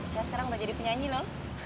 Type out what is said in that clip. saya sekarang udah jadi penyanyi loh